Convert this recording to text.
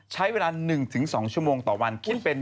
ใช้เวลา๑๒ชั่วโมงต่อวันคิดเป็น